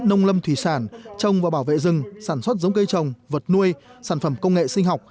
nông lâm thủy sản trồng và bảo vệ rừng sản xuất giống cây trồng vật nuôi sản phẩm công nghệ sinh học